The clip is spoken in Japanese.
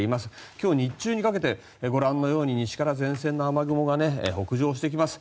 今日日中にかけてご覧のように西から前線の雨雲が北上してきます。